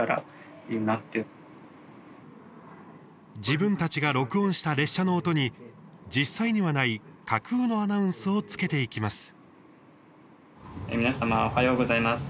自分たちが録音した列車の音に実際にはない架空のアナウンスをつけていきます。